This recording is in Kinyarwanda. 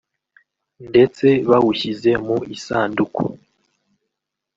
ndetse bawushyize mu isanduku